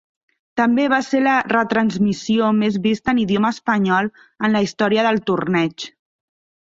També va ser la retransmissió més vista en idioma espanyol en la història del torneig.